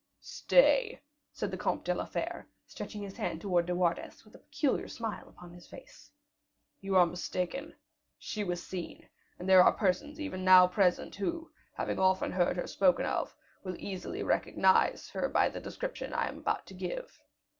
"Stay," said the Comte de la Fere, stretching his hand towards De Wardes, with a peculiar smile upon his face, "you are mistaken; she was seen; and there are persons even now present, who, having often heard her spoken of, will easily recognize her by the description I am about to give.